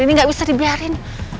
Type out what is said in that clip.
ini gak bisa dibiarin